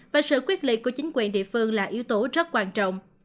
và sự quyết liệt của chính quyền địa phương là yếu tố rất quan trọng